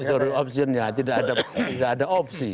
sorry option ya tidak ada opsi